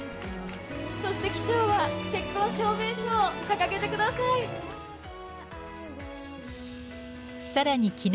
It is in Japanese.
・そして機長は結婚証明書を掲げてください！